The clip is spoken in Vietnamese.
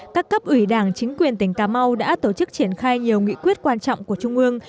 các cấp ủy đảng chính quyền tỉnh cà mau đã tổ chức triển khai nhiều nghị quyết quan trọng của trung ương